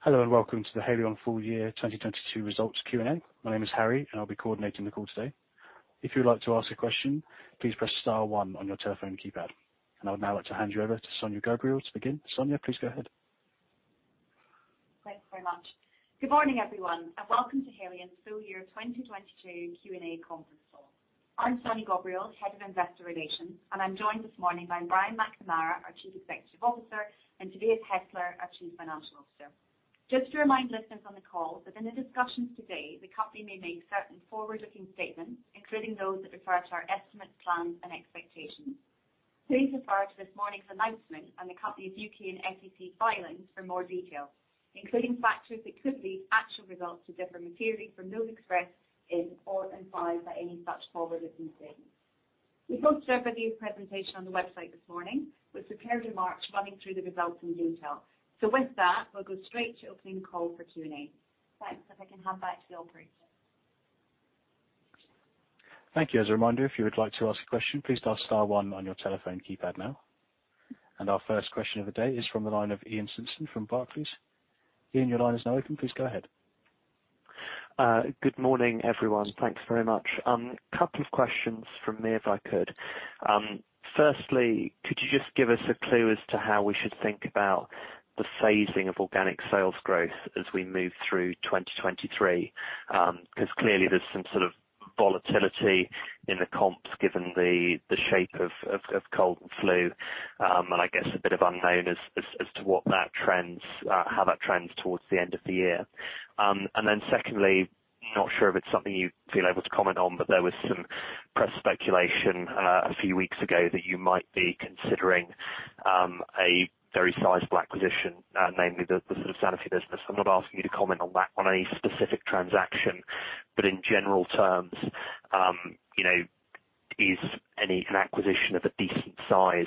Hello, welcome to the Haleon Full Year 2022 Results Q&A. My name is Harry, and I'll be coordinating the call today. If you would like to ask a question, please press star one on your telephone keypad. I would now like to hand you over to Sonya Ghobrial to begin. Sonya, please go ahead. Thanks very much. Good morning, everyone, and welcome to Haleon's Full Year 2022 Q&A conference call. I'm Sonya Ghobrial, Head of Investor Relations, and I'm joined this morning by Brian McNamara, our Chief Executive Officer, and Tobias Hestler, our Chief Financial Officer. Just to remind listeners on the call that in the discussions today, the company may make certain forward-looking statements, including those that refer to our estimates, plans, and expectations. Please refer to this morning's announcement on the company's U.K. and SEC filings for more details, including factors that could lead actual results to differ materially from those expressed in or implied by any such forward-looking statements. We posted a preview of the presentation on the website this morning, with prepared remarks running through the results in detail. With that, we'll go straight to opening the call for Q&A. Thanks. If I can hand back to the operator. Thank you. As a reminder, if you would like to ask a question, please dial star one on your telephone keypad now. Our first question of the day is from the line of Iain Simpson from Barclays. Ian, your line is now open. Please go ahead. Good morning, everyone. Thanks very much. Couple of questions from me, if I could. Firstly, could you just give us a clue as to how we should think about the phasing of organic sales growth as we move through 2023? 'cause clearly there's some sort of volatility in the comps, given the shape of cold and flu, and I guess a bit of unknown as to how that trends towards the end of the year. Secondly, not sure if it's something you feel able to comment on, but there was some press speculation, a few weeks ago that you might be considering, a very sizable acquisition, namely the sort of Sanofi business. I'm not asking you to comment on that, on any specific transaction, but in general terms, you know, is an acquisition of a decent size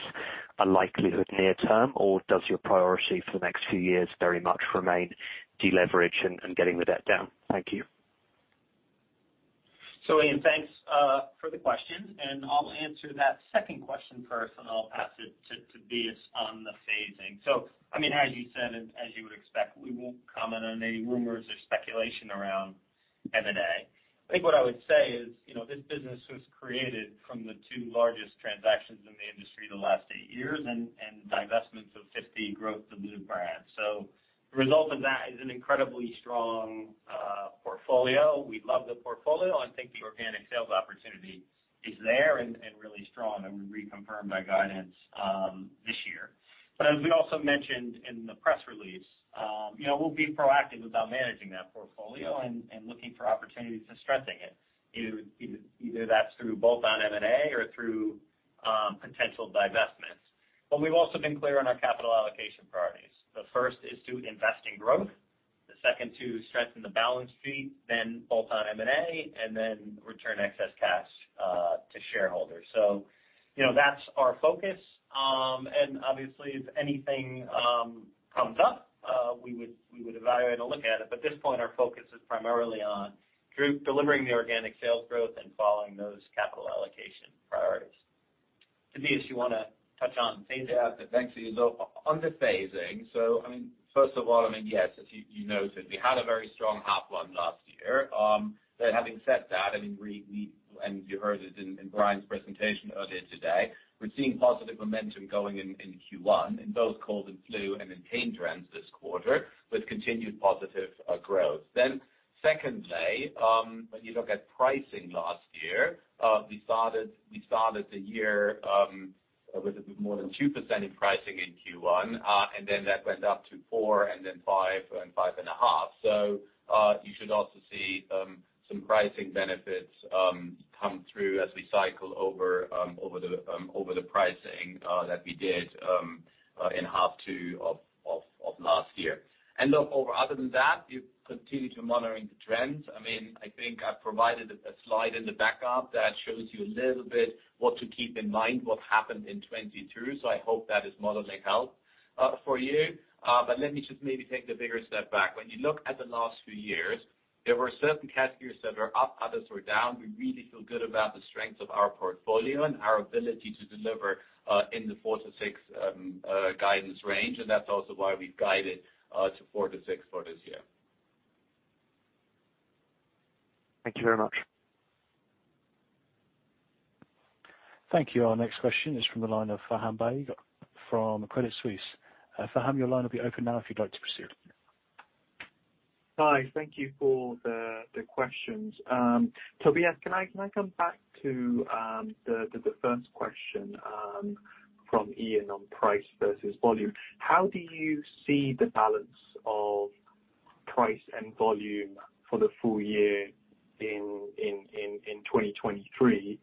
a likelihood near term, or does your priority for the next few years very much remain deleverage and getting the debt down? Thank you. Iain, thanks for the question, and I'll answer that second question first, and I'll pass it to Tobias on the phasing. I mean, as you said, and as you would expect, we won't comment on any rumors or speculation around M&A. I think what I would say is, you know, this business was created from the two largest transactions in the industry the last eight years and divestments of 50 growth dilute brands. The result of that is an incredibly strong portfolio. We love the portfolio. I think the organic sales opportunity is there and really strong, and we reconfirm by guidance this year. As we also mentioned in the press release, you know, we'll be proactive about managing that portfolio and looking for opportunities to strengthen it. Either that's through bolt-on M&A or through potential divestments. We've also been clear on our capital allocation priorities. The first is to invest in growth. The second to strengthen the balance sheet, then bolt-on M&A, and then return excess cash to shareholders. You know, that's our focus. And obviously if anything comes up, we would evaluate and look at it. At this point, our focus is primarily on delivering the organic sales growth and following those capital allocation priorities. Tobias, you wanna touch on phasing? Yeah. Thanks, Iain. On the phasing, first of all, yes, as you noted, we had a very strong half one last year. Having said that, we and you heard it in Brian's presentation earlier today, we're seeing positive momentum going in Q1 in both cold and flu and in pain trends this quarter, with continued positive growth. Secondly, when you look at pricing last year, we started the year with more than 2% in pricing in Q1, and then that went up to 4%, and then 5%, and 5.5%. You should also see some pricing benefits come through as we cycle over over the pricing that we did in half two of last year. Look, other than that, we've continued to monitoring the trends. I mean, I think I provided a slide in the backup that shows you a little bit what to keep in mind, what happened in 2022. I hope that is moderately helpful for you. Let me just maybe take the bigger step back. When you look at the last few years, there were certain categories that were up, others were down. We really feel good about the strength of our portfolio and our ability to deliver in the 4%-6% guidance range. That's also why we've guided to 4%-6% for this year. Thank you very much. Thank you. Our next question is from the line of Faham Baig from Credit Suisse. Faham, your line will be open now if you'd like to proceed. Hi. Thank you for the questions. Tobias, can I come back to the first question from Iain on price versus volume? How do you see the balance of price and volume for the full year in 2023?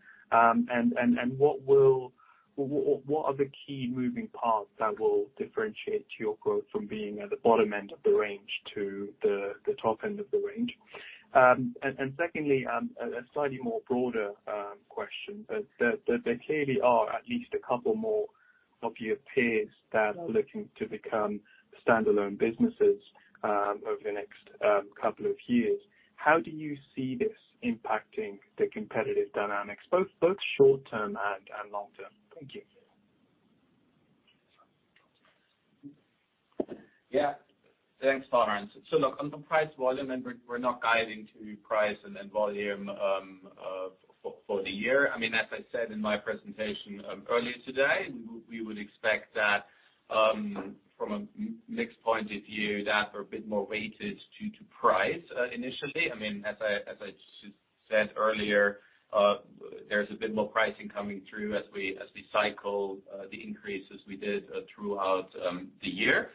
What are the key moving parts that will differentiate your growth from being at the bottom end of the range to the top end of the range? Secondly, a slightly more broader question, but there clearly are at least a couple more of your peers that are looking to become standalone businesses over the next couple of years. How do you see this impacting the competitive dynamics, both short term and long term? Thank you. Yeah. Thanks, Faham. Look, on the price volume, we're not guiding to price and then volume for the year. I mean, as I said in my presentation earlier today, we would expect that, from a mixed point of view, that we're a bit more weighted due to price initially. I mean, as I said earlier, there's a bit more pricing coming through as we cycle the increases we did throughout the year.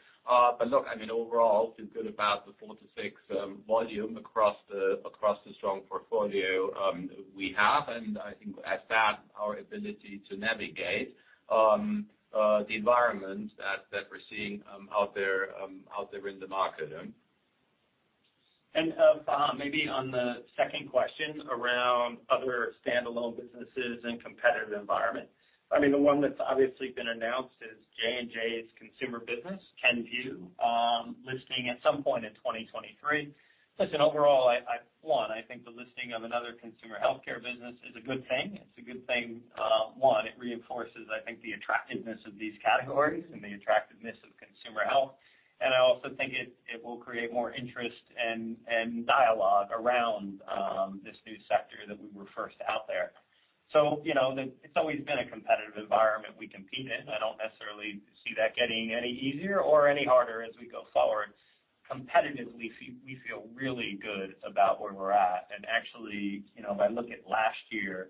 Look, I mean overall, feel good about the 4%-6% volume across the strong portfolio we have. I think at that, our ability to navigate the environment that we're seeing out there in the market. Maybe on the second question around other standalone businesses and competitive environment. I mean, the one that's obviously been announced is J&J's consumer business, Kenvue, listing at some point in 2023. Listen, overall, I think the listing of another consumer healthcare business is a good thing. It's a good thing, one, it reinforces, I think, the attractiveness of these categories and the attractiveness of consumer health. I also think it will create more interest and dialogue around this new sector that we were first out there. You know, it's always been a competitive environment we compete in. I don't necessarily see that getting any easier or any harder as we go forward. Competitively, we feel really good about where we're at. Actually, you know, if I look at last year,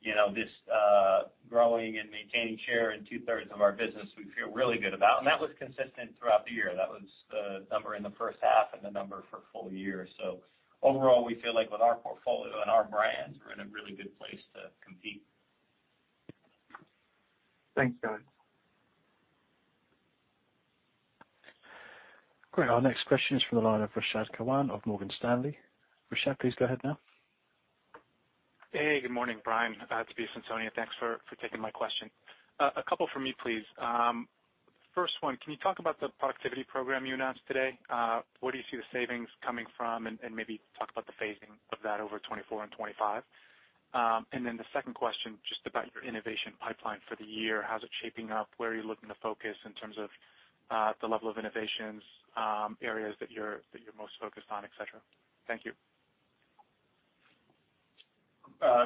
you know, this growing and maintaining share in two-thirds of our business, we feel really good about. That was consistent throughout the year. That was the number in the first half and the number for full year. Overall, we feel like with our portfolio and our brands, we're in a really good place to compete. Thanks, guys. Great. Our next question is from the line of Rashad Kawan of Morgan Stanley. Rashad, please go ahead now. Hey, good morning, Brian, Tobias and Sonya. Thanks for taking my question. A couple from me, please. First one, can you talk about the productivity program you announced today? Where do you see the savings coming from? Maybe talk about the phasing of that over 2024 and 2025. The second question, just about your innovation pipeline for the year. How's it shaping up? Where are you looking to focus in terms of the level of innovations, areas that you're most focused on, et cetera? Thank you.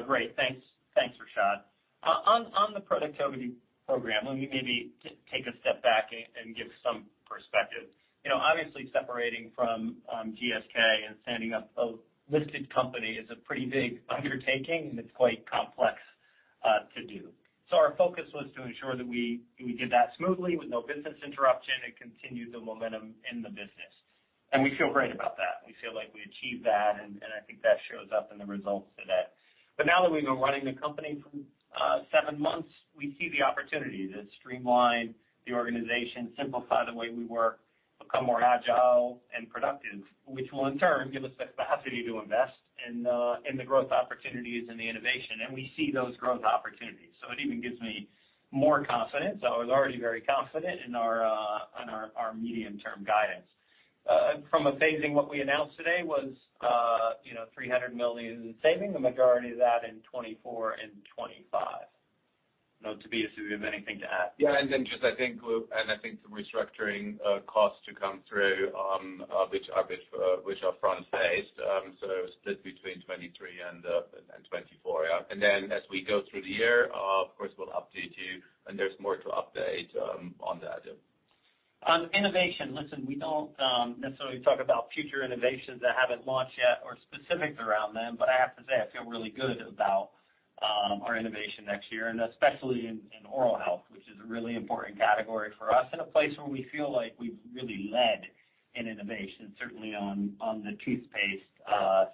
Great. Thanks, Rashad. On the productivity program, let me maybe take a step back and give some perspective. You know, obviously separating from GSK and standing up a listed company is a pretty big undertaking, and it's quite complex to do. Our focus was to ensure that we did that smoothly with no business interruption and continued the momentum in the business. We feel great about that. We feel like we achieved that, and I think that shows up in the results today. Now that we've been running the company for seven months, we see the opportunity to streamline the organization, simplify the way we work, become more agile and productive, which will in turn give us the capacity to invest in the growth opportunities and the innovation. We see those growth opportunities. It even gives me more confidence. I was already very confident in our medium-term guidance. From a phasing, what we announced today was, you know, 300 million in saving, the majority of that in 2024 and 2025. You know, Tobias, do you have anything to add? Yeah. Just I think the restructuring costs to come through, which are front-faced, so split between 2023 and 2024, yeah. As we go through the year, of course we'll update you, and there's more to update on that, yeah. On innovation, listen, we don't necessarily talk about future innovations that haven't launched yet or specifics around them, but I have to say I feel really good about our innovation next year, and especially in oral health, which is a really important category for us and a place where we feel like we've really led in innovation, certainly on the toothpaste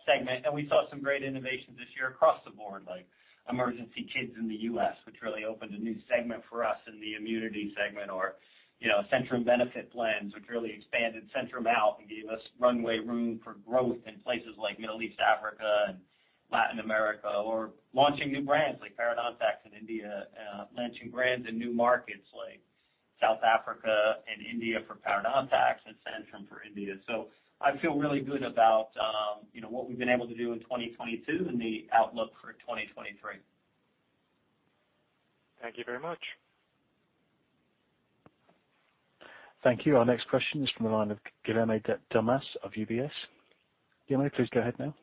segment. We saw some great innovations this year across the board, like Emergen-C Kidz in the U.S., which really opened a new segment for us in the immunity segment or, you know, Centrum Benefit Blends, which really expanded Centrum out and gave us runway room for growth in places like Middle East, Africa and Latin America, or launching new brands like parodontax in India, launching brands in new markets like South Africa and India for parodontax and Centrum for India. I feel really good about, you know, what we've been able to do in 2022 and the outlook for 2023. Thank you very much. Thank you. Our next question is from the line of Guillaume Delmas of UBS. Guillaume, please go ahead now.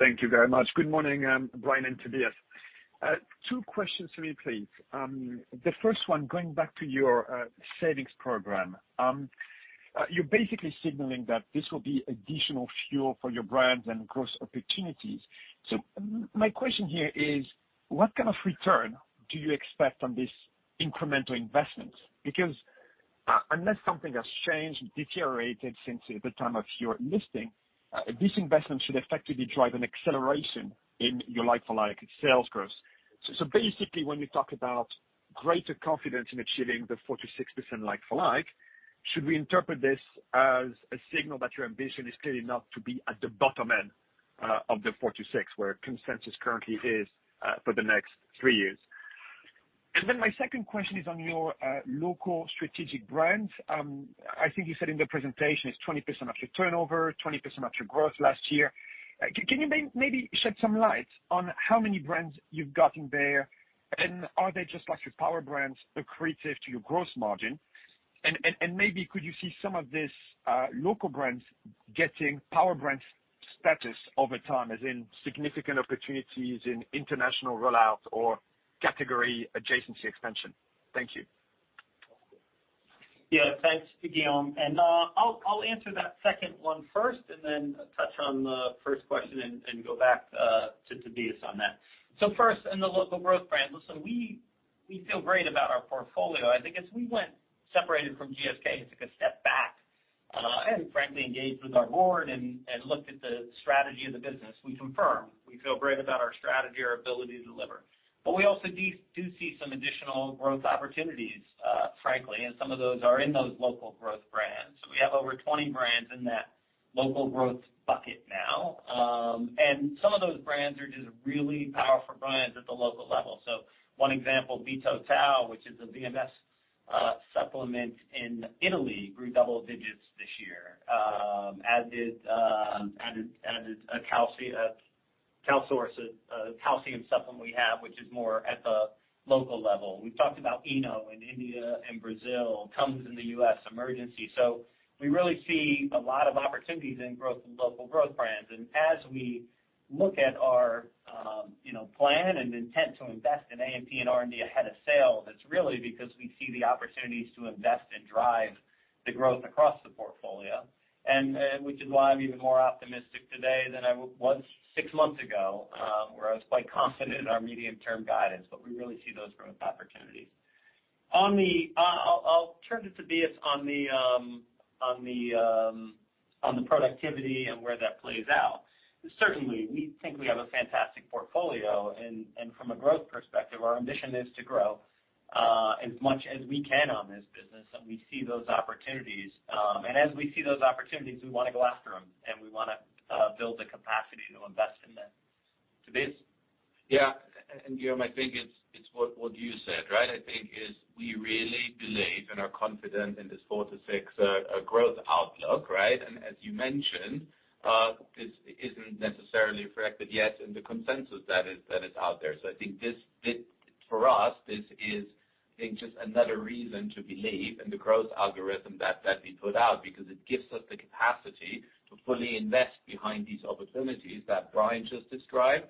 Thank you very much. Good morning, Brian and Tobias. Two questions for me, please. The first one, going back to your savings program. You're basically signaling that this will be additional fuel for your brands and growth opportunities. My question here is, what kind of return do you expect on this incremental investment? Because unless something has changed, deteriorated since the time of your listing, this investment should effectively drive an acceleration in your like-for-like sales growth. Basically, when you talk about greater confidence in achieving the 4%-6% like-for-like, should we interpret this as a signal that your ambition is clearly not to be at the bottom end of the 4%-6%, where consensus currently is for the next three years? My second question is on your Local Growth Brands. I think you said in the presentation it's 20% of your turnover, 20% of your growth last year. Can you maybe shed some light on how many brands you've gotten there, and are they just like your Power Brands accretive to your growth margin? Maybe could you see some of this Local Growth Brands getting Power Brands status over time, as in significant opportunities in international rollouts or category adjacency expansion? Thank you. Yeah. Thanks to Guillaume. I'll answer that second one first, and then touch on the first question and go back to Tobias on that. First, in the Local Growth Brands, listen, we feel great about our portfolio. I think as we went separated from GSK, took a step back, and frankly engaged with our board and looked at the strategy of the business, we confirmed we feel great about our strategy, our ability to deliver. We also do see some additional growth opportunities, frankly, and some of those are in those Local Growth Brands. We have over 20 brands in that local growth bucket now. Some of those brands are just really powerful brands at the local level. One example, BeTotal, which is a VMS supplement in Italy, grew double digits this year, as did Caltrate, a calcium supplement we have, which is more at the local level. We've talked about Eno in India and Brazil, comes in the U.S., Emergen-C. We really see a lot of opportunities in Local Growth Brands. As we look at our, you know, plan and intent to invest in A&P and R&D ahead of sales, it's really because we see the opportunities to invest and drive the growth across the portfolio. Which is why I'm even more optimistic today than I was six months ago, where I was quite confident in our medium-term guidance. We really see those growth opportunities. On the... I'll turn to Tobias on the productivity and where that plays out. Certainly, we think we have a fantastic portfolio and from a growth perspective, our ambition is to grow as much as we can on this business, and we see those opportunities. As we see those opportunities, we wanna go after them, and we wanna build the capacity to invest in them. Tobias? Yeah. Guillaume, I think it's what you said, right? I think is we really believe and are confident in this 4%-6% growth outlook, right? As you mentioned, this isn't necessarily reflected yet in the consensus that is out there. I think for us, this is I think just another reason to believe in the growth algorithm that we put out because it gives us the capacity to fully invest behind these opportunities that Brian just described.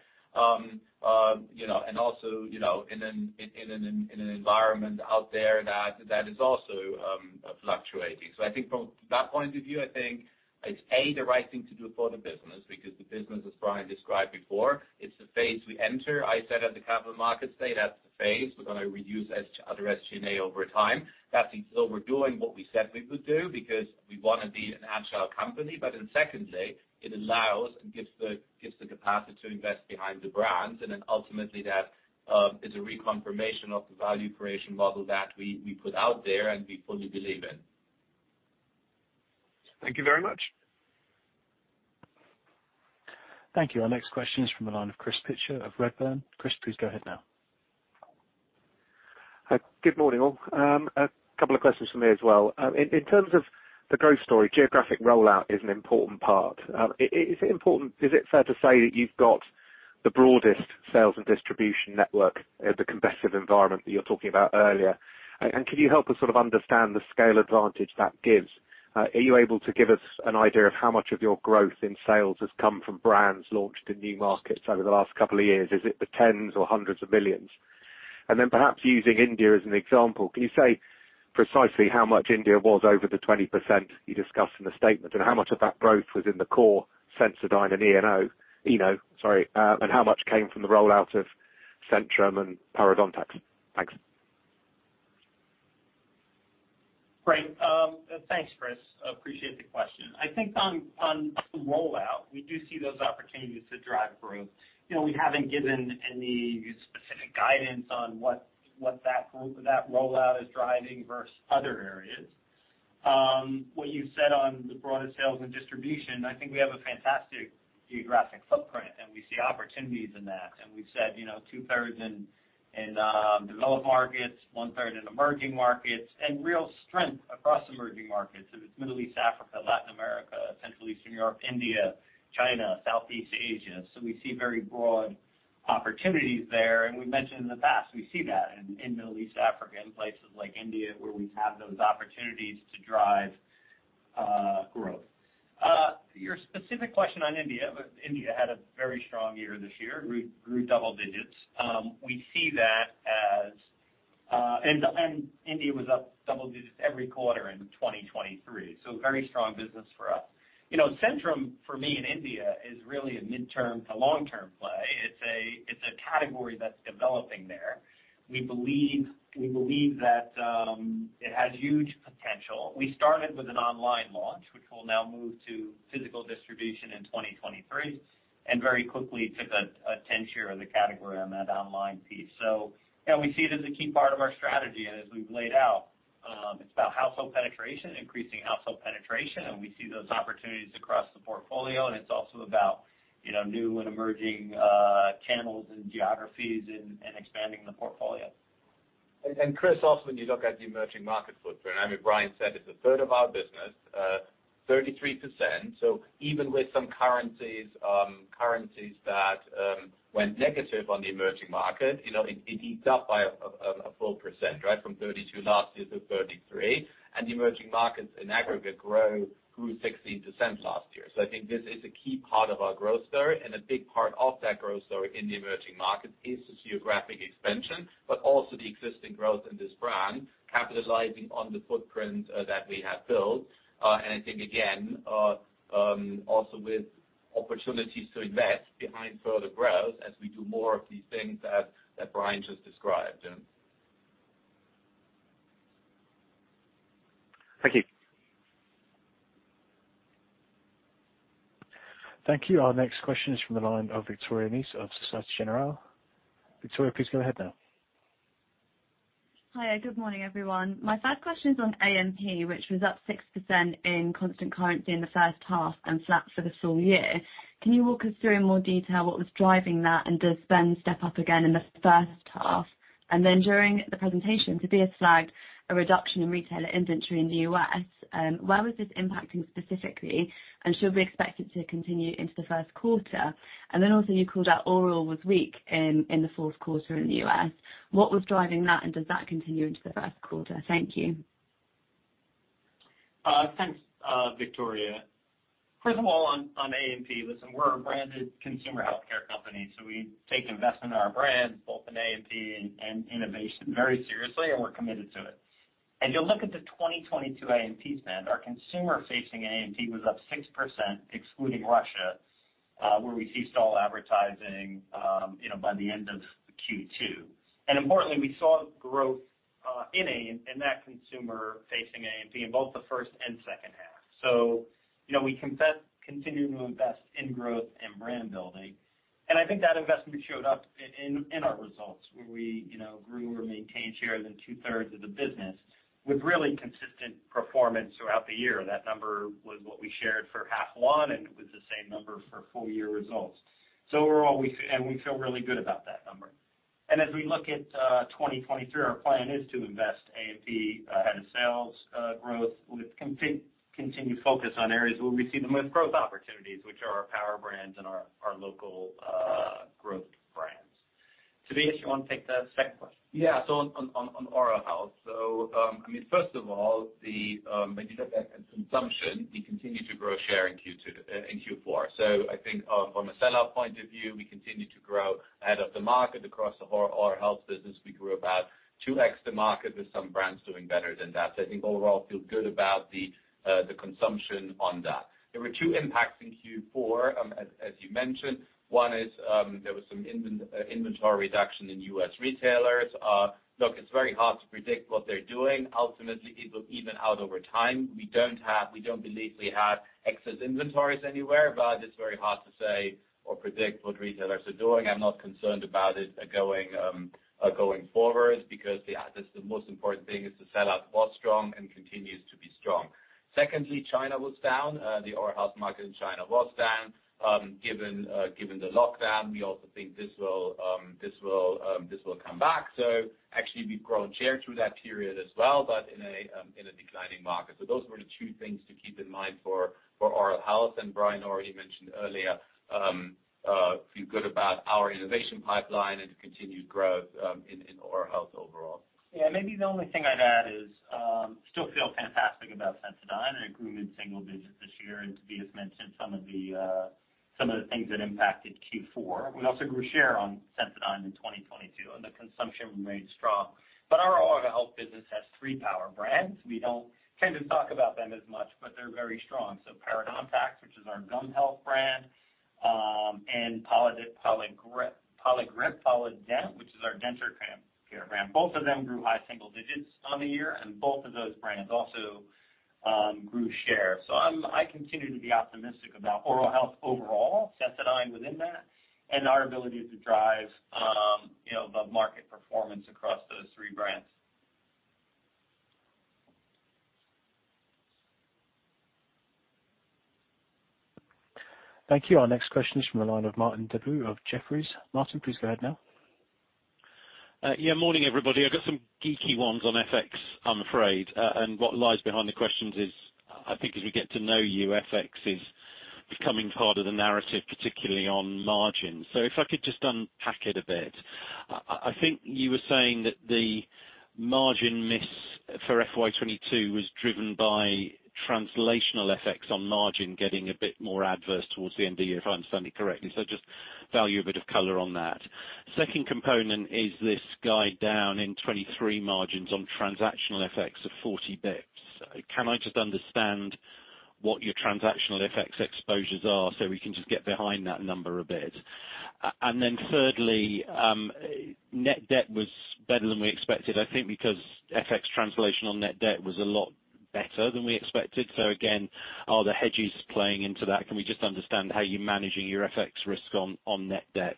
You know, and also, you know, in an environment out there that is also fluctuating. I think from that point of view, I think it's A, the right thing to do for the business because the business, as Brian described before, it's the phase we enter. I said at the capital markets day, that's the phase. We're gonna reduce other SG&A over time. We're doing what we said we would do because we wanna be an agile company. Secondly, it allows and gives the capacity to invest behind the brands, ultimately that is a reconfirmation of the value creation model that we put out there and we fully believe in. Thank you very much. Thank you. Our next question is from the line of Chris Pitcher of Redburn. Chris, please go ahead now. Good morning, all. A couple of questions from me as well. In terms of the growth story, geographic rollout is an important part. Is it fair to say that you've got the broadest sales and distribution network, the competitive environment that you were talking about earlier? And can you help us sort of understand the scale advantage that gives? Are you able to give us an idea of how much of your growth in sales has come from brands launched in new markets over the last couple of years? Is it the tens or hundreds of millions? Perhaps using India as an example, can you say precisely how much India was over the 20% you discussed in the statement, and how much of that growth was in the core Sensodyne and Eno, sorry, and how much came from the rollout of Centrum and parodontax? Thanks. Great. Thanks, Chris. Appreciate the question. I think on rollout, we do see those opportunities to drive growth. You know, we haven't given any specific guidance on what that growth or that rollout is driving versus other areas. What you said on the broader sales and distribution, I think we have a fantastic geographic footprint, and we see opportunities in that. We've said, you know, two-thirds in developed markets, one-third in emerging markets, and real strength across emerging markets. It's Middle East, Africa, Latin America, Central Eastern Europe, India, China, Southeast Asia. We see very broad opportunities there. We mentioned in the past, we see that in Middle East, Africa, in places like India, where we have those opportunities to drive growth. Your specific question on India had a very strong year this year, grew double digits. India was up double digits every quarter in 2023, so very strong business for us. You know, Centrum, for me, in India is really a midterm to long-term play. It's a category that's developing there. We believe that it has huge potential. We started with an online launch, which we'll now move to physical distribution in 2023, and very quickly took a 10% share of the category on that online piece. You know, we see it as a key part of our strategy. As we've laid out, it's about household penetration, increasing household penetration, and we see those opportunities across the portfolio, and it's also about, you know, new and emerging, channels and geographies and expanding the portfolio. Chris, also when you look at the emerging market footprint, I mean, Brian said it's a third of our business, 33%. Even with some currencies that went negative on the emerging market, you know, it eats up by a full %, right? From 32% last year to 33%. The emerging markets in aggregate grew 16% last year. I think this is a key part of our growth story, and a big part of that growth story in the emerging market is the geographic expansion, but also the existing growth in this brand, capitalizing on the footprint that we have built. I think again, also with opportunities to invest behind further growth as we do more of these things that Brian just described. Thank you. Thank you. Our next question is from the line of Victoria Nice of Société Générale. Victoria, please go ahead now. Hi, good morning, everyone. My third question is on A&P, which was up 6% in constant currency in the first half and flat for the full year. Can you walk us through in more detail what was driving that? Does spend step up again in the first half? During the presentation, Tobias flagged a reduction in retailer inventory in the U.S. Where was this impacting specifically? Should we expect it to continue into the first quarter? Also you called out oral was weak in the fourth quarter in the U.S. What was driving that? Does that continue into the first quarter? Thank you. Thanks, Victoria. First of all, on A&P, listen, we're a branded consumer healthcare company, so we take investment in our brand, both in A&P and innovation very seriously, and we're committed to it. You'll look at the 2022 A&P spend, our consumer-facing A&P was up 6% excluding Russia, where we ceased all advertising, you know, by the end of Q2. Importantly, we saw growth in that consumer-facing A&P in both the first and second half. You know, we continue to invest in growth and brand building. I think that investment showed up in our results where we, you know, grew or maintained share in 2/3 of the business with really consistent performance throughout the year. That number was what we shared for Half one. It was the same number for full year results. Overall, we feel really good about that number. As we look at 2023, our plan is to invest A&P ahead of sales growth with continued focus on areas where we see the most growth opportunities, which are our Power Brands and our Local Growth Brands. Tobias, you wanna take the second question? On oral health. I mean, first of all, when you look at consumption, we continue to grow share in Q4. I think from a sellout point of view, we continue to grow ahead of the market. Across the oral health business, we grew about 2x the market with some brands doing better than that. I think overall feel good about the consumption on that. There were two impacts in Q4, as you mentioned. One is, there was some inventory reduction in U.S. retailers. Look, it's very hard to predict what they're doing. Ultimately, it will even out over time. We don't believe we have excess inventories anywhere, but it's very hard to say or predict what retailers are doing. I'm not concerned about it going going forward because this is the most important thing is the sellout was strong and continues to be strong. China was down. The oral health market in China was down given the lockdown. We also think this will come back. Actually, we've grown share through that period as well, but in a declining market. Those were the two things to keep in mind for oral health. Brian already mentioned earlier, feel good about our innovation pipeline and continued growth in oral health overall. Maybe the only thing I'd add is, still feel fantastic about Sensodyne and it grew mid-single digits this year. Tobias mentioned some of the things that impacted Q4. We also grew share on Sensodyne in 2022, and the consumption remained strong. However, Our overall business has three Power Brands. We don't tend to talk about them as much, but they're very strong. Parodontax, which is our gum health brand, and Poligrip, Polident, which is our denture care brand. Both of them grew high single digits on the year, and both of those brands also grew share. I continue to be optimistic about oral health overall, Sensodyne within that, and our ability to drive, you know, the market performance across those 3 brands. Thank you. Our next question is from the line of Martin Deboo of Jefferies. Martin, please go ahead now. Yeah, morning, everybody. I've got some geeky ones on FX, I'm afraid. What lies behind the questions is, I think you were saying that the margin miss for FY 2022 was driven by translational FX on margin getting a bit more adverse towards the end of the year, if I understand it correctly. Just value a bit of color on that. Second component is this guide down in 2023 margins on transactional FX of 40 basis points. Can I just understand what your transactional FX exposures are, so we can just get behind that number a bit? Thirdly, net debt was better than we expected, I think because FX translation on net debt was a lot better than we expected. Again, are the hedges playing into that? Can we just understand how you're managing your FX risk on net debt?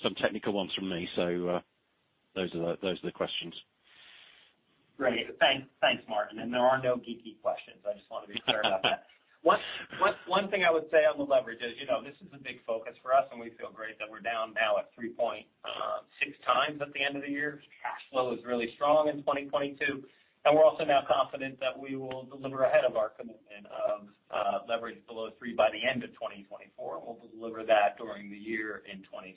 Some technical ones from me. Those are the questions. Great. Thanks. Thanks, Martin. There are no geeky questions. I just want to be clear about that. One thing I would say on the leverage is, you know, this is a big focus for us, and we feel great that we're down now at 3.6x at the end of the year. Cash flow is really strong in 2022, and we're also now confident that we will deliver ahead of our commitment of leverage below three by the end of 2024. We'll deliver that during the year in 2024.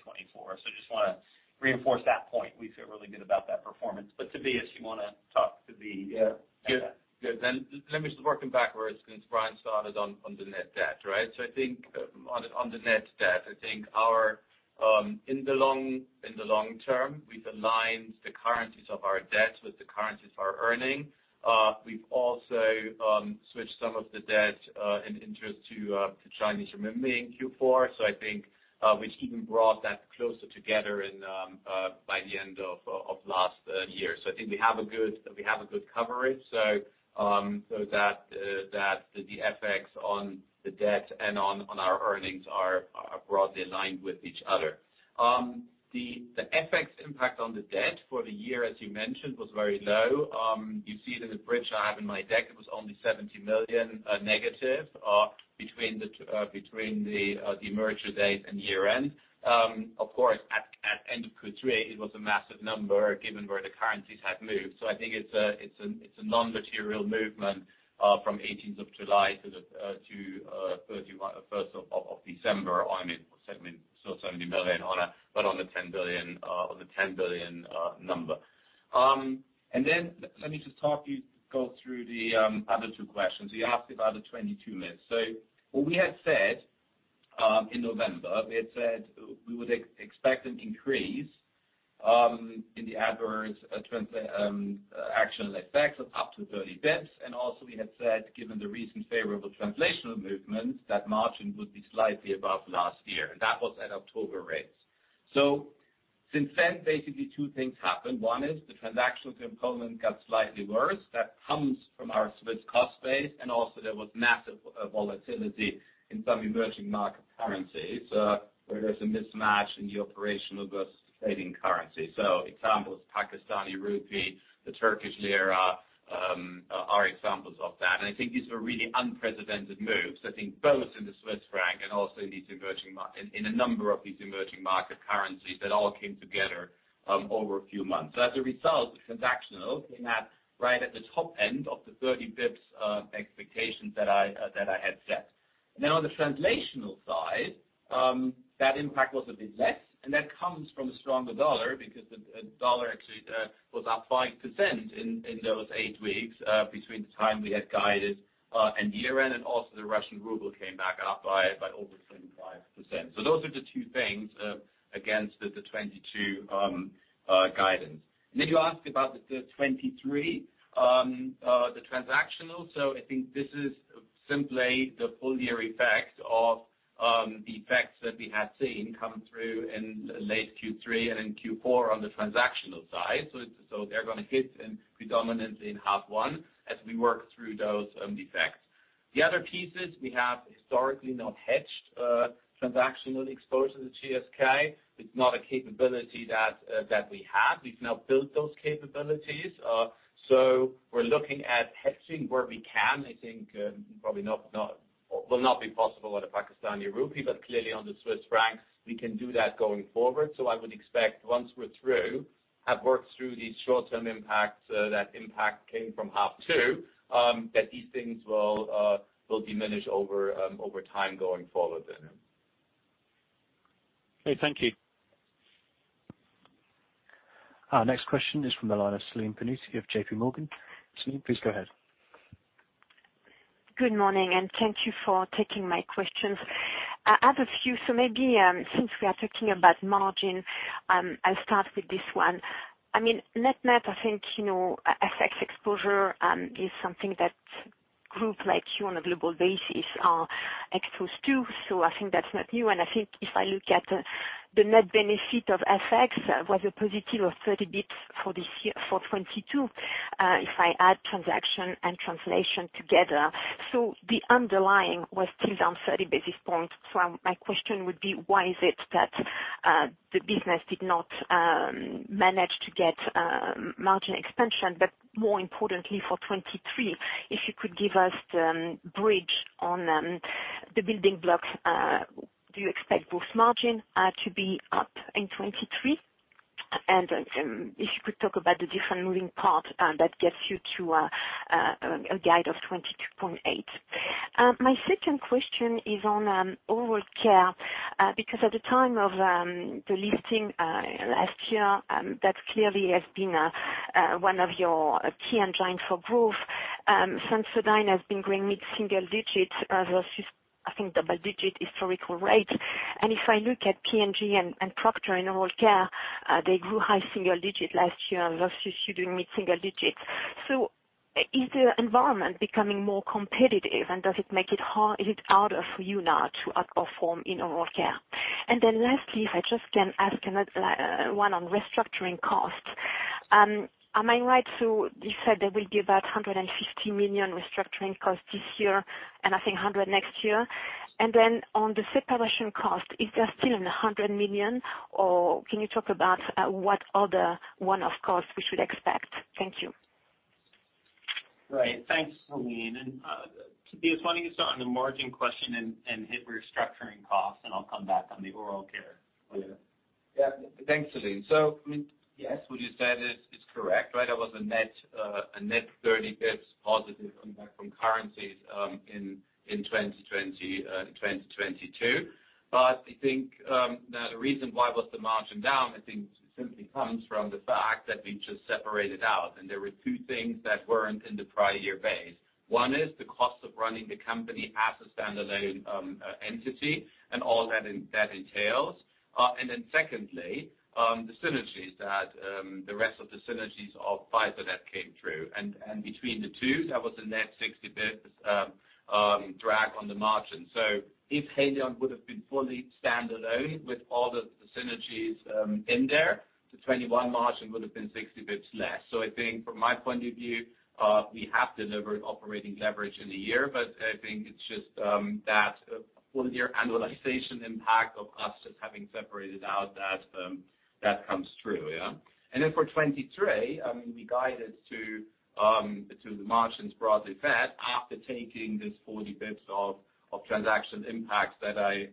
Just wanna reinforce that point. We feel really good about that performance. Tobias, you wanna talk to the. Yeah. Good. Let me just working backwards since Brian started on the net debt, right? I think on the net debt, I think our in the long term, we've aligned the currencies of our debt with the currencies of our earning. We've also switched some of the debt and interest to Chinese renminbi in Q4. I think we even brought that closer together by the end of last year. I think we have a good coverage. That the FX on the debt and on our earnings are broadly aligned with each other. The FX impact on the debt for the year, as you mentioned, was very low. You see it in the bridge I have in my deck. It was only 70 million negative between the merger date and year-end. Of course at end of Q3, it was a massive number given where the currencies had moved. I think it's a non-material movement from 18th of July to the 31st of December so 70 million on a, but on the 10 billion number. Let me just talk you go through the other two questions. You asked about the 22 myths. What we had said in November, we had said we would expect an increase in the adverse actual effects of up to 30 basis points. Also we had said, given the recent favorable translational movements, that margin would be slightly above last year. That was at October rates. Since then, basically two things happened. One is the transactional component got slightly worse. That comes from our Swiss cost base, and also there was massive volatility in some emerging market currencies, where there's a mismatch in the operational versus trading currency. Examples, Pakistani rupee, the Turkish lira, are examples of that. I think these were really unprecedented moves, I think both in the Swiss franc and also these emerging in a number of these emerging market currencies that all came together over a few months. As a result, the transactional came out right at the top end of the 30 bps expectations that I had set. On the translational side, that impact was a bit less. That comes from a stronger dollar because the dollar actually was up 5% in those eight weeks between the time we had guided and year-end. Also, the Russian ruble came back up by over 25%. Those are the two things against the 2022 guidance. You asked about the 2023 transactional. I think this is simply the full year effect of the effects that we had seen come through in late Q3 and in Q4 on the transactional side. They're gonna hit predominantly in H1 as we work through those effects. The other pieces we have historically not hedged transactional exposure to GSK. It's not a capability that that we have. We've now built those capabilities. We're looking at hedging where we can. I think, probably will not be possible with the Pakistani rupee, but clearly on the Swiss francs we can do that going forward. I would expect once we're through, have worked through these short-term impacts, that impact came from half two, that these things will diminish over time going forward then. Okay, thank you. Our next question is from the line of Celine Pannuti of JPMorgan. Celine, please go ahead. Good morning, and thank you for taking my questions. I have a few, so maybe, since we are talking about margin, I'll start with this one. I mean, net-net, I think, you know, FX exposure, is something that group like you on a global basis are exposed to. I think that's not new. I think if I look at the net benefit of FX was a positive of 30 bps for this year, for 2022, if I add transaction and translation together. The underlying was still down 30 basis points. My question would be, why is it that the business did not manage to get margin expansion? More importantly for 2023, if you could give us the bridge on the building blocks. Do you expect both margin to be up in 2023? If you could talk about the different moving parts that gets you to a guide of 22.8%. My second question is on Oral Care. Because at the time of the listing last year, that clearly has been one of your key engines for growth. Sensodyne has been growing mid-single digits versus I think double-digit historical rate. If I look at P&G and Procter in Oral Care, they grew high-single-digit last year versus you doing mid-single digits. Is the environment becoming more competitive, and does it make it harder for you now to outperform in Oral Care? Lastly, if I just can ask another one on restructuring costs. Am I right to. You said there will be about 150 million restructuring costs this year, and I think 100 million next year. Then on the separation cost, is that still in the 100 million or can you talk about what other one-off costs we should expect? Thank you. Right. Thanks, Celine. Tobias, why don't you start on the margin question and hit restructuring costs, and I'll come back on the oral care later. Yeah. Thanks, Celine. I mean, yes, what you said is correct, right? There was a net, a net 30 bps positive impact from currencies in 2022. I think, now the reason why was the margin down, I think simply comes from the fact that we just separated out and there were two things that weren't in the prior year base. One is the cost of running the company as a standalone entity and all that that entails. Secondly, the synergies that the rest of the synergies of Pfizer that came through. Between the two, that was a net 60 BPS drag on the margin. If Haleon would have been fully standalone with all the synergies in there, the 2021 margin would have been 60 bps less. I think from my point of view, we have delivered operating leverage in the year, but I think it's just that full year annualization impact of us just having separated out that comes through. Yeah. Then for 2023, I mean, we guided to the margins broadly flat after taking this 40 bps of transaction impacts that I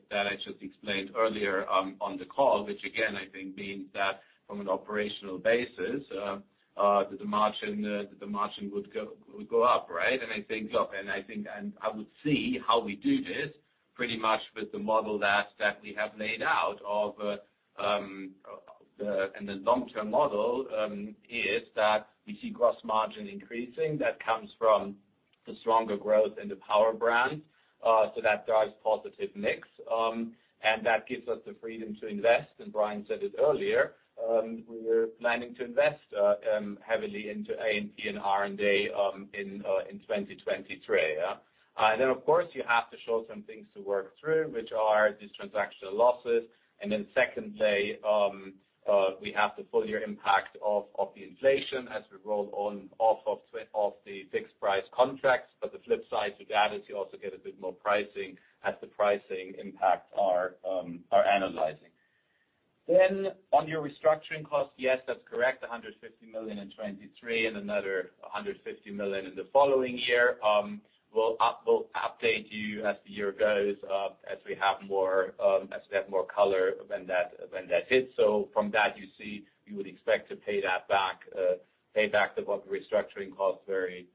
just explained earlier on the call, which again, I think means that from an operational basis, the margin would go up, right? I think, look, and I would see how we do this pretty much with the model that we have laid out of, and the long-term model, is that we see gross margin increasing. That comes from the stronger growth in the Power Brands, so that drives mix. That gives us the freedom to invest. Brian said it earlier, we're planning to invest heavily into A&P and R&D in 2023, yeah. Then of course, you have to show some things to work through, which are these transactional losses. Then secondly, we have the full year impact of the inflation as we roll on off the fixed price contracts. The flip side to that is you also get a bit more pricing as the pricing impacts are analyzing. On your restructuring costs, yes, that's correct. 150 million in 2023 and another 150 million in the following year. We'll update you as the year goes, as we have more color when that hits. From that, you see, you would expect to pay that back, pay back the bulk of the restructuring costs very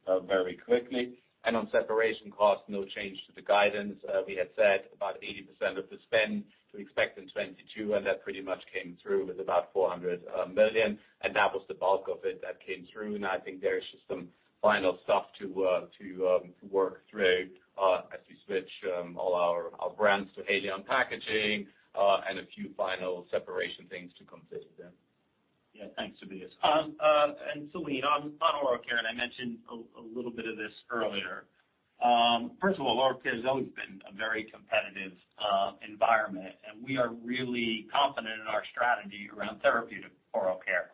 quickly. On separation costs, no change to the guidance. We had said about 80% of the spend to expect in 2022, and that pretty much came through with about 400 million. That was the bulk of it that came through. I think there is just some final stuff to work through as we switch all our brands to Haleon packaging and a few final separation things to complete then. Yeah, thanks, Tobias. Celine, on oral care, I mentioned a little bit of this earlier. First of all, oral care has always been a very competitive environment. We are really confident in our strategy around therapeutic oral care,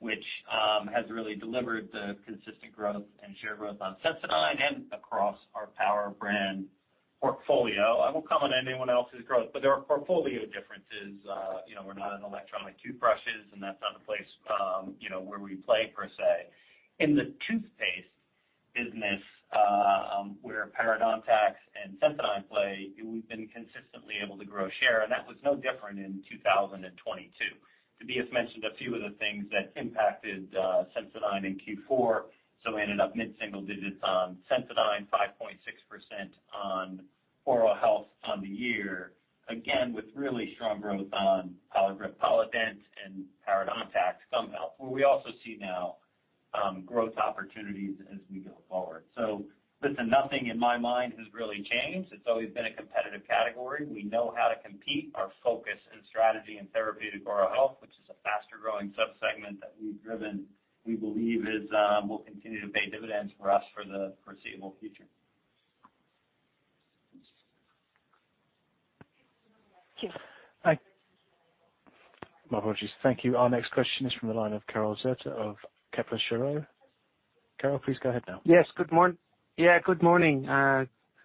which has really delivered the consistent growth and share growth on Sensodyne and across our Power Brands portfolio. I won't comment on anyone else's growth. There are portfolio differences. You know, we're not in electronic toothbrushes. That's not a place, you know, where we play per se. In the toothpaste business, where parodontax and Sensodyne play, we've been consistently able to grow share. That was no different in 2022. Tobias mentioned a few of the things that impacted Sensodyne in Q4, so we ended up mid-single digits on Sensodyne, 5.6% on oral health on the year. Again, with really strong growth on Poligrip, Polident, and parodontax gum health, where we also see now growth opportunities as we go forward. Listen, nothing in my mind has really changed. It's always been a competitive category. We know how to compete. Our focus and strategy in therapeutic oral care, which is a faster-growing sub-segment that we've driven, we believe will continue to pay dividends for us for the foreseeable future. Thank you. My apologies. Thank you. Our next question is from the line of Karel Zoete of Kepler Cheuvreux. Karel, please go ahead now. Yes. Good morning.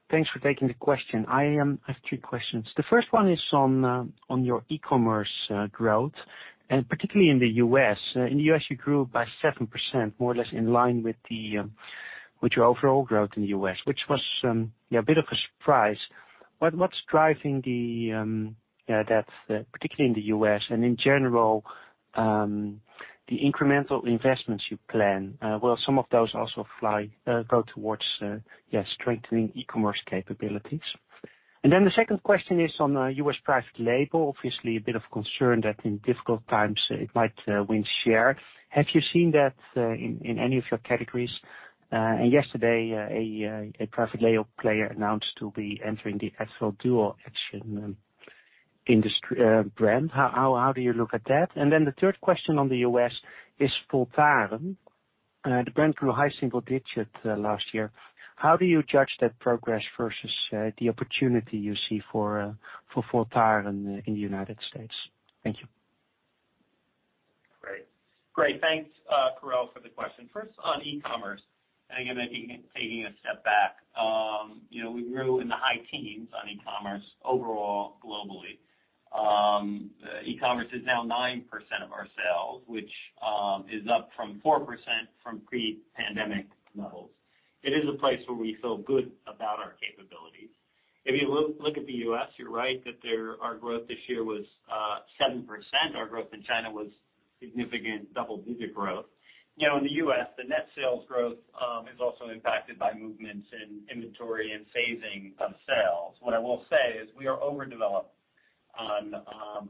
Thanks for taking the question. I have three questions. The first one is on your e-commerce growth, and particularly in the U.S. In the U.S., you grew by 7%, more or less in line with your overall growth in the U.S., which was a bit of a surprise. What's driving that particularly in the U.S. and in general, the incremental investments you plan? Will some of those also go towards strengthening e-commerce capabilities? The second question is on U.S. private label. Obviously, a bit of concern that in difficult times it might win share. Have you seen that in any of your categories? Yesterday, a private label player announced to be entering the Advil Dual Action. How do you look at that? The third question on the U.S. is Voltaren. The brand grew high single digits last year. How do you judge that progress versus the opportunity you see for Voltaren in the United States? Thank you. Great. Thanks, Karel, for the question. First, on e-commerce, I think maybe taking a step back. You know, we grew in the high teens on e-commerce overall globally. E-commerce is now 9% of our sales, which is up from 4% from pre-pandemic levels. It is a place where we feel good about our capabilities. If you look at the U.S., you're right, that there... Our growth this year was 7%. Our growth in China was significant double-digit growth. You know, in the U.S., the net sales growth is also impacted by movements in inventory and phasing of sales. What I will say is we are overdeveloped on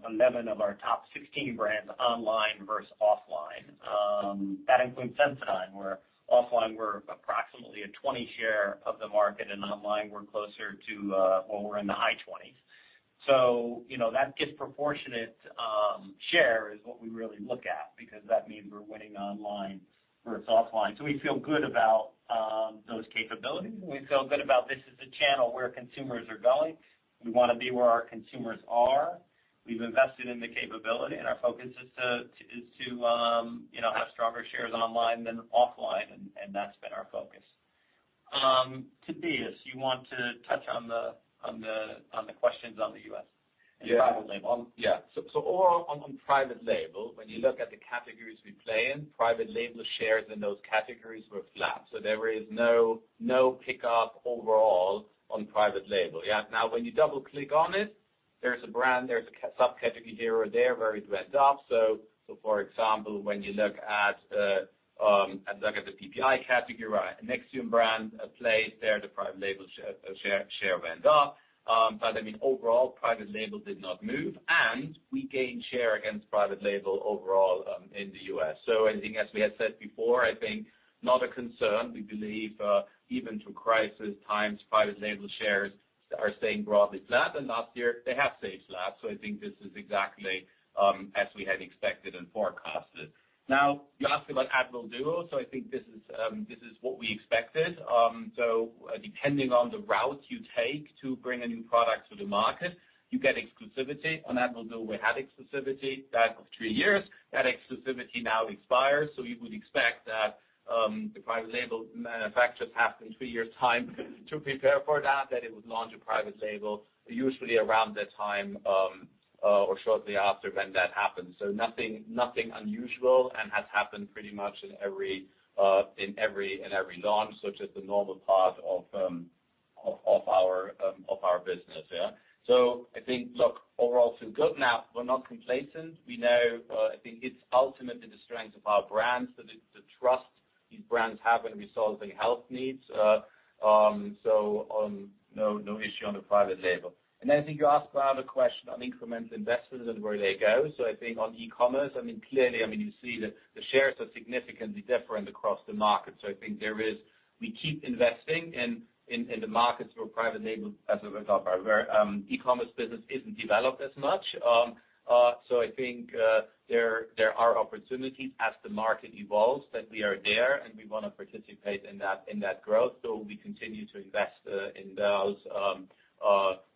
11 of our top 16 brands online versus offline. That includes Sensodyne, where offline we're approximately a 20% share of the market, and online we're closer to... Well, we're in the high 20%s. You know, that disproportionate share is what we really look at because that means we're winning online versus offline. We feel good about those capabilities. We feel good about this as a channel where consumers are going. We wanna be where our consumers are. We've invested in the capability. Our focus is to you know, have stronger shares online than offline. That's been our focus. Tobias, you want to touch on the questions on the U.S.- Yeah. Private label? Yeah. Overall on private label, when you look at the categories we play in, private label shares in those categories were flat. There is no pickup overall on private label, yeah? Now, when you double-click on it, there's a brand, there's a subcategory here or there where it went up. For example, when you look at the PPI category, right, Nexium brand plays there, the private label share went up. I mean, overall, private label did not move, and we gained share against private label overall in the U.S. I think as we had said before, I think not a concern. We believe, even through crisis times, private label shares are staying broadly flat, and last year they have stayed flat. I think this is exactly as we had expected and forecasted. You asked about Advil Duo. I think this is what we expected. Depending on the route you take to bring a new product to the market, you get exclusivity. On Advil Duo, we had exclusivity. That was three years. That exclusivity now expires. You would expect that the private label manufacturers have in three years' time to prepare for that it would launch a private label, usually around the time or shortly after when that happens. Nothing unusual and has happened pretty much in every launch, it's just a normal part of our business, yeah? I think, look, overall, feel good. We're not complacent. We know, I think it's ultimately the strength of our brands, the trust these brands have when resolving health needs. No issue on the private label. I think you asked another question on incremental investments and where they go. I think on e-commerce, I mean, clearly, I mean, you see the shares are significantly different across the market. I think we keep investing in the markets where private label as a result are very e-commerce business isn't developed as much. I think there are opportunities as the market evolves, that we are there, and we wanna participate in that growth. We continue to invest in those,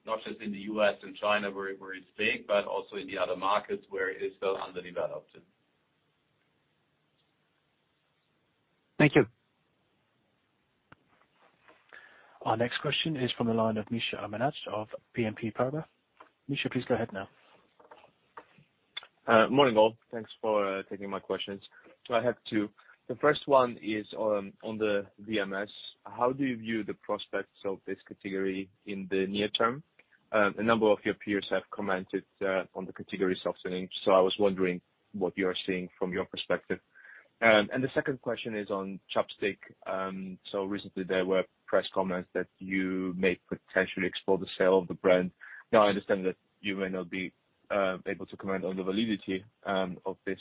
not just in the U.S. and China where it's big, but also in the other markets where it is still underdeveloped. Thank you. Our next question is from the line of Misha Omanadze of BNP Paribas. Misha, please go ahead now. Morning, all. Thanks for taking my questions. I have two. The first one is on the VMS. How do you view the prospects of this category in the near term? A number of your peers have commented on the category softening, so I was wondering what you are seeing from your perspective. And the second question is on ChapStick. Recently there were press comments that you may potentially explore the sale of the brand. Now, I understand that you may not be able to comment on the validity of this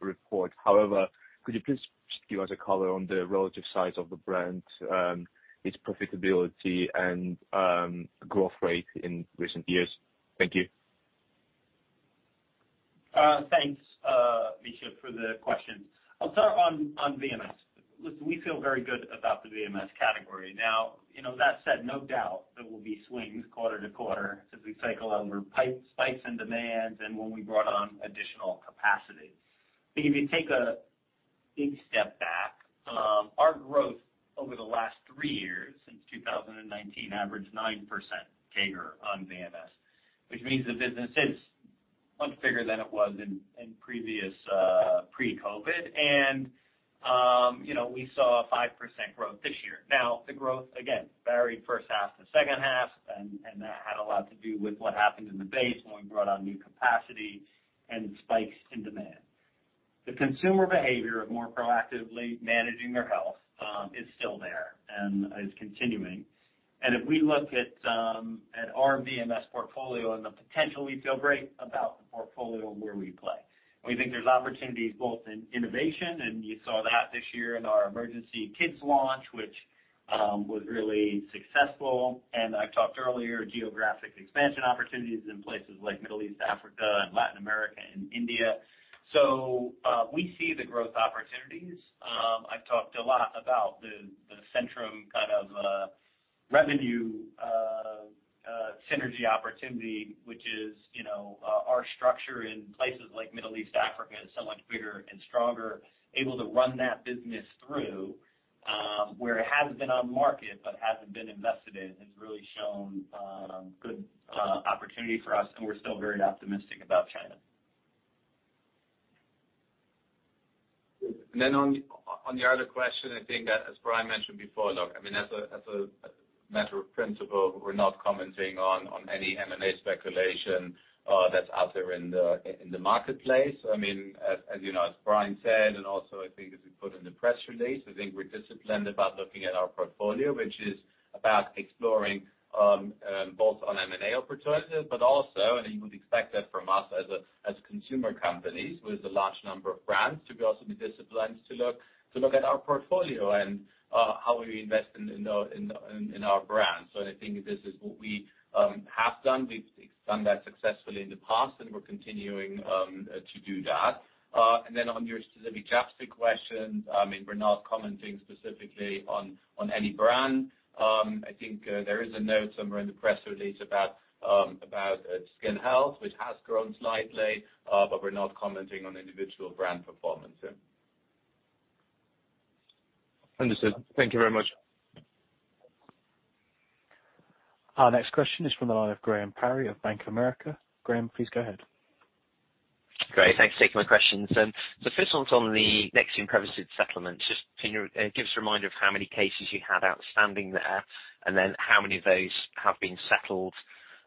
report. However, could you please give us a color on the relative size of the brand, its profitability and growth rate in recent years? Thank you. Thanks, Misha, for the question. I'll start on VMS. Listen, we feel very good about the VMS category. Now, you know, that said, no doubt there will be swings quarter to quarter as we cycle on spikes in demands and when we brought on additional capacity. I think if you take a big step back, our growth over the last three years, since 2019, averaged 9% CAGR on VMS, which means the business is much bigger than it was in previous pre-COVID. You know, we saw a 5% growth this year. Now, the growth, again, varied first half to second half, and that had a lot to do with what happened in the base when we brought on new capacity and spikes in demand. The consumer behavior of more proactively managing their health is still there and is continuing. If we look at our VMS portfolio and the potential, we feel great about the portfolio and where we play. We think there's opportunities both in innovation, and you saw that this year in our Emergen-C Kidz launch, which was really successful. I talked earlier, geographic expansion opportunities in places like Middle East, Africa, and Latin America and India. We see the growth opportunities. I've talked a lot about the Centrum kind of revenue synergy opportunity, which is, you know, our structure in places like Middle East, Africa, is so much bigger and stronger, able to run that business through, where it hasn't been on market but hasn't been invested in, has really shown good opportunity for us. We're still very optimistic about China. On your other question, I think that as Brian mentioned before, look, I mean, as a matter of principle, we're not commenting on any M&A speculation that's out there in the marketplace. I mean, as you know, as Brian said, and also I think as we put in the press release, I think we're disciplined about looking at our portfolio, which is about exploring bolt-on M&A opportunities, but also you would expect that from us as consumer companies with a large number of brands to also be disciplined, to look at our portfolio and how we invest in our brands. I think this is what we have done. We've done that successfully in the past, and we're continuing to do that. Then on your specific Japan question, I mean, we're not commenting specifically on any brand. I think there is a note somewhere in the press release about skin health, which has grown slightly, but we're not commenting on individual brand performance. Yeah. Understood. Thank you very much. Our next question is from the line of Graham Parry of Bank of America. Graham, please go ahead. Great. Thanks for taking my questions. The first one's on the Nexium premises settlement. Can you give us a reminder of how many cases you have outstanding there, how many of those have been settled?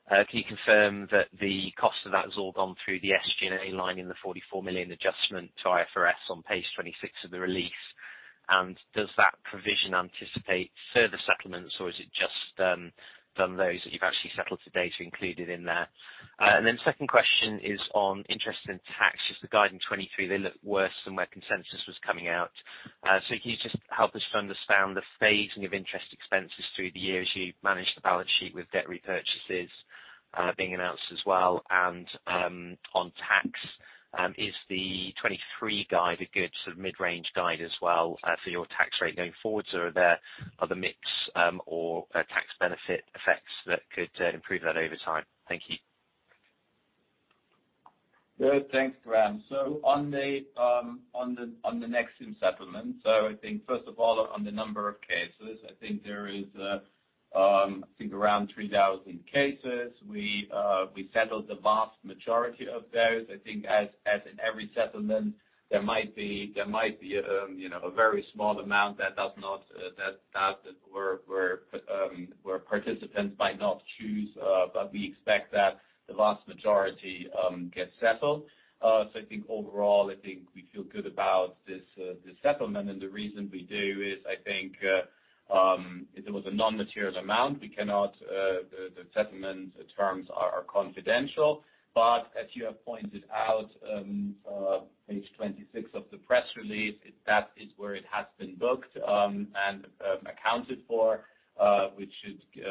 Can you confirm that the cost of that has all gone through the SG&A line in the 44 million adjustment to IFRS on page 26 of the release? Does that provision anticipate further settlements, or is it just done those that you've actually settled to date included in there? Second question is on interest and tax. The guide in 2023, they look worse than where consensus was coming out. Can you help us understand the phasing of interest expenses through the year as you manage the balance sheet with debt repurchases being announced as well? On tax, is the 2023 guide a good sort of mid-range guide as well, for your tax rate going forwards, or are there other mix, or, tax benefit effects that could, improve that over time? Thank you. Good. Thanks, Graham. On the Nexium settlement, I think first of all, on the number of cases, I think there is, I think around 3,000 cases. We settled the vast majority of those. I think as in every settlement, there might be, you know, a very small amount that does not, that where participants might not choose. We expect that the vast majority get settled. I think overall, I think we feel good about this settlement. The reason we do is I think, it was a non-material amount. We cannot, the settlement terms are confidential. As you have pointed out, page 26 of the press release, that is where it has been booked and accounted for, which should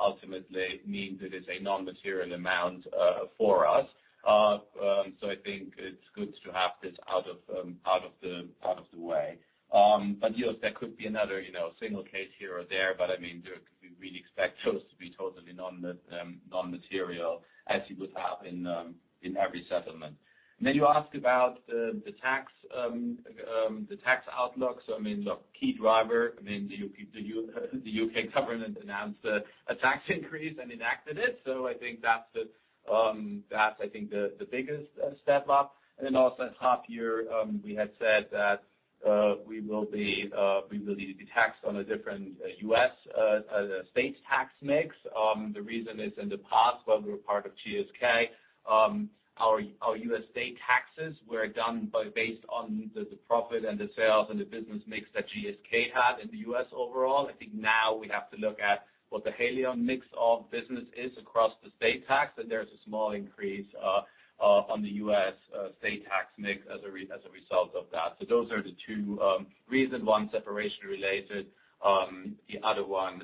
ultimately mean that it's a non-material amount for us. I think it's good to have this out of the way. Yes, there could be another, you know, single case here or there, but I mean, there could be we'd expect those to be totally non-material as you would have in every settlement. You ask about the tax outlook. I mean, look, key driver, I mean, the U.K. government announced a tax increase and enacted it. I think that's I think the biggest step up. Also at half year, we had said that we will be, we will need to be taxed on a different U.S. state tax mix. The reason is in the past, while we were part of GSK, our U.S. state taxes were done by based on the profit and the sales and the business mix that GSK had in the U.S. overall. I think now we have to look at what the Haleon mix of business is across the state tax, and there's a small increase on the U.S. state tax mix as a result of that. Those are the two, reason one, separation related, the other one,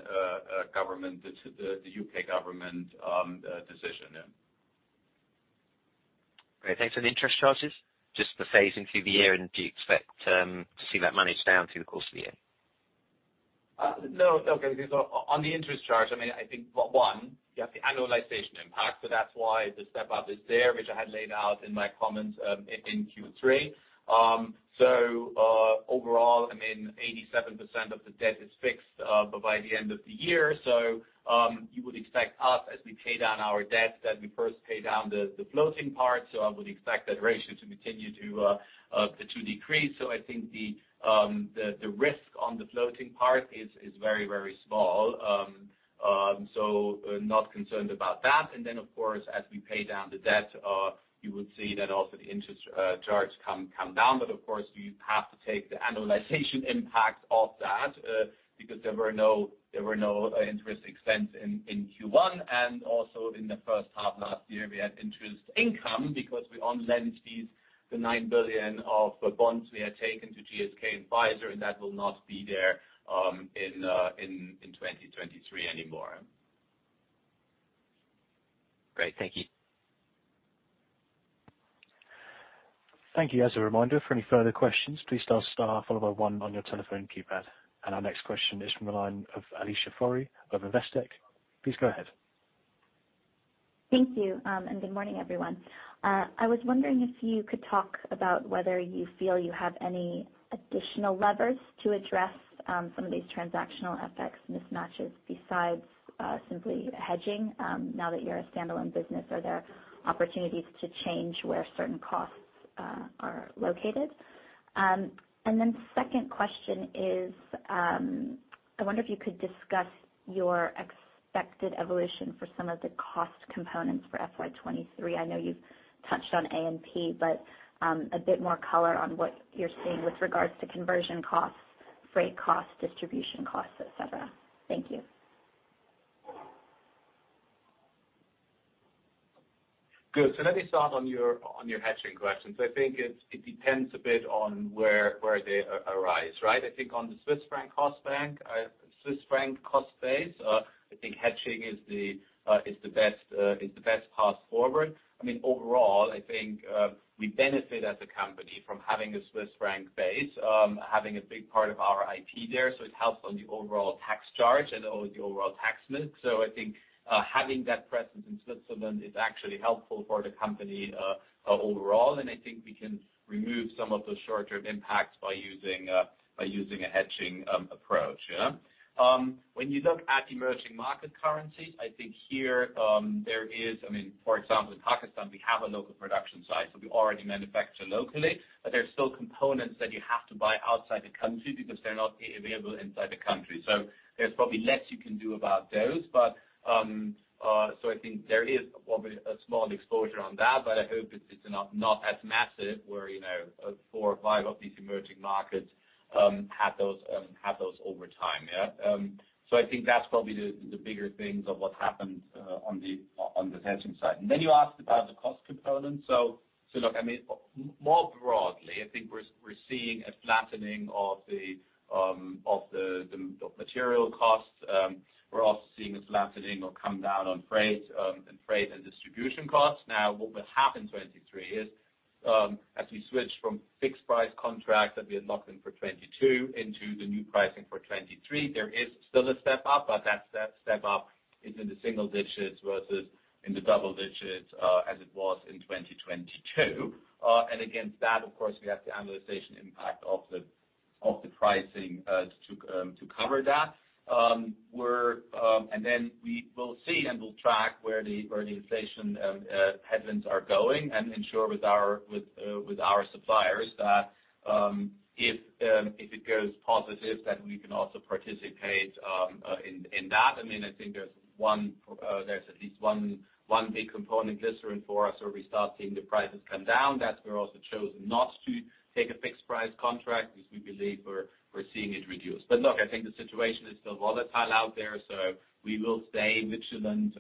government, the U.K. government, decision. Yeah. Great. Thanks. Interest charges, just the phasing through the year, do you expect to see that manage down through the course of the year? No, okay. On the interest charge, I mean, I think, one, you have the annualization impact, so that's why the step-up is there, which I had laid out in my comments in Q3. Overall, I mean, 87% of the debt is fixed by the end of the year. You would expect us as we pay down our debt, that we first pay down the floating part. I would expect that ratio to continue to decrease. I think the risk on the floating part is very, very small. Not concerned about that. Then of course, as we pay down the debt, you would see that also the interest charge come down. Of course, you have to take the annualization impact of that, because there were no interest expense in Q1 and also in the first half last year, we had interest income because we on lend fees the 9 billion of bonds we had taken to GSK and Pfizer, and that will not be there in 2023 anymore. Great. Thank you. Thank you. As a reminder, for any further questions, please dial star followed by one on your telephone keypad. Our next question is from the line of Alicia Forry of Investec. Please go ahead. Thank you, good morning, everyone. I was wondering if you could talk about whether you feel you have any additional levers to address some of these transactional FX mismatches besides simply hedging. Now that you're a standalone business, are there opportunities to change where certain costs are located? Second question is, I wonder if you could discuss your expected evolution for some of the cost components for FY 2023. I know you've touched on A&P, but a bit more color on what you're seeing with regards to conversion costs, freight costs, distribution costs, et cetera. Thank you. Good. Let me start on your hedging questions. I think it depends a bit on where they arise, right? I think on the Swiss franc cost base, I think hedging is the best path forward. I mean, overall, I think we benefit as a company from having a Swiss franc base, having a big part of our IP there, so it helps on the overall tax charge and the overall tax mix. I think having that presence in Switzerland is actually helpful for the company overall, and I think we can remove some of the short-term impacts by using a hedging approach, yeah. When you look at emerging market currencies, I think here, there is... I mean, for example, in Pakistan, we have a local production site, so we already manufacture locally. There are still components that you have to buy outside the country because they're not available inside the country. There's probably less you can do about those. I think there is probably a small exposure on that, but I hope it's not as massive where, you know, four or five of these emerging markets have those, have those over time, yeah. I think that's probably the bigger things of what happened on the hedging side. Then you asked about the cost component. Look, I mean, more broadly, I think we're seeing a flattening of the material costs. We're also seeing a flattening or come down on freight and freight and distribution costs. Now, what will happen 2023 is, as we switch from fixed price contracts that we had locked in for 2022 into the new pricing for 2023, there is still a step-up, but that step-up is in the single digits versus in the double digits, as it was in 2022. Against that, of course, we have the annualization impact of the pricing to cover that. We will see and will track where the inflation headwinds are going and ensure with our suppliers that if it goes positive, that we can also participate in that. I mean, I think there's one, there's at least one big component glycerin for us where we start seeing the prices come down. That's where we also chose not to take a fixed price contract because we believe we're seeing it reduce. Look, I think the situation is still volatile out there, so we will stay vigilant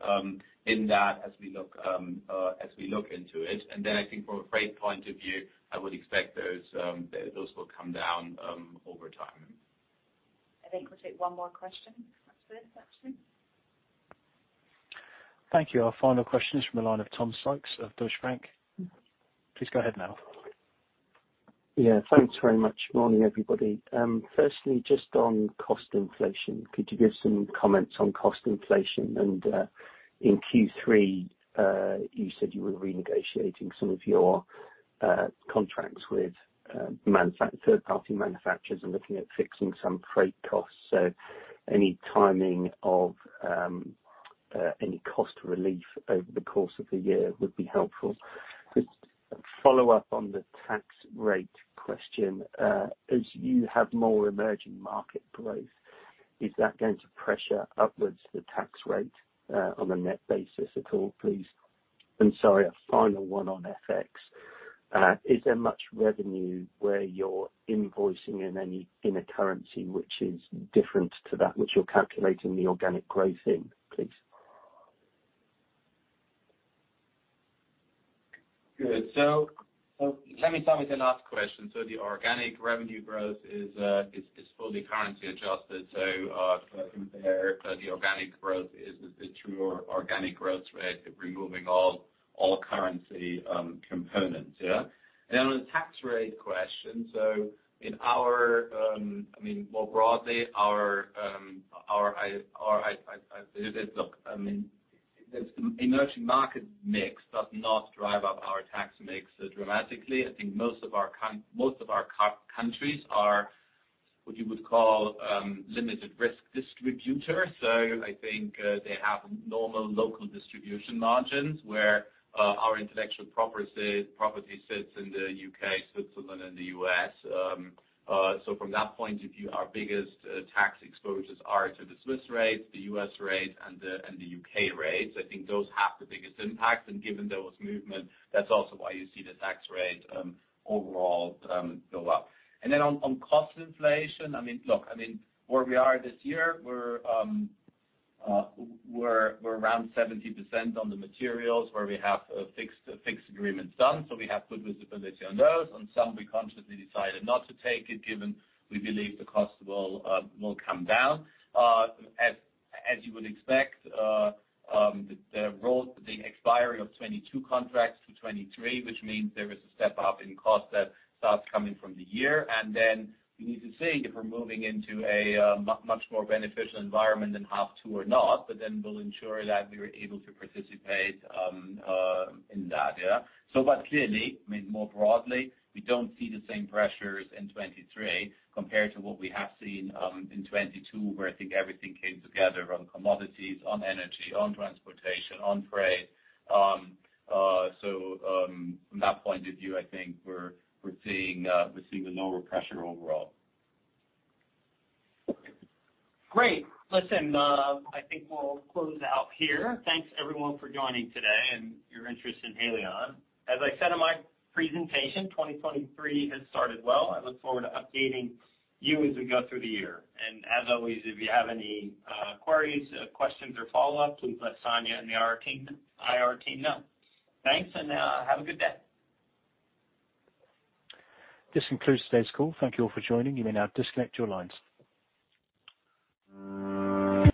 in that as we look as we look into it. I think from a freight point of view, I would expect those those will come down over time. I think we'll take one more question. That's it, actually. Thank you. Our final question is from the line of Tom Sykes of Deutsche Bank. Please go ahead now. Thanks very much. Morning, everybody. Firstly, just on cost inflation, could you give some comments on cost inflation? In Q3, you said you were renegotiating some of your contracts with third-party manufacturers and looking at fixing some freight costs. Any timing of any cost relief over the course of the year would be helpful. Just a follow-up on the tax rate question. As you have more emerging market growth, is that going to pressure upwards the tax rate on a net basis at all, please? Sorry, a final one on FX. Is there much revenue where you're invoicing in a currency which is different to that which you're calculating the organic growth in, please? Good. Let me start with the last question. The organic revenue growth is fully currency adjusted. Compare the organic growth is the true organic growth rate, removing all currency components. On the tax rate question, in our, I mean, more broadly, our. Look, I mean, the emerging market mix does not drive up our tax mix dramatically. I think most of our countries are what you would call limited risk distributors. I think they have normal local distribution margins where our intellectual property sits in the U.K., Switzerland, and the U.S. From that point of view, our biggest tax exposures are to the Swiss rate, the U.S. rate, and the U.K. rates. I think those have the biggest impact. Given those movement, that's also why you see the tax rate overall go up. Then on cost inflation, I mean, look, I mean, where we are this year, we're around 70% on the materials where we have fixed agreements done, so we have good visibility on those. On some, we consciously decided not to take it, given we believe the cost will come down. As you would expect, the expiry of 2022 contracts to 2023, which means there is a step-up in cost that starts coming from the year. We need to see if we're moving into a much more beneficial environment in half two or not, but then we'll ensure that we're able to participate in that, yeah. Clearly, I mean, more broadly, we don't see the same pressures in 2023 compared to what we have seen in 2022, where I think everything came together on commodities, on energy, on transportation, on freight. From that point of view, I think we're seeing a lower pressure overall. Great. Listen, I think we'll close out here. Thanks everyone for joining today and your interest in Haleon. As I said in my presentation, 2023 has started well. I look forward to updating you as we go through the year. As always, if you have any queries, questions or follow-up, please let Sonya and the IR team know. Thanks, have a good day. This concludes today's call. Thank you all for joining. You may now disconnect your lines.